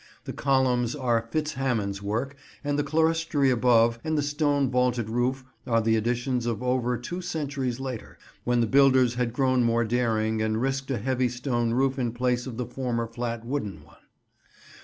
The columns are Fitz Hamon's work, and the clerestory above, and the stone vaulted roof are the additions of over two centuries later, when the builders had grown more daring and risked a heavy stone roof in place of the former flat wooden one.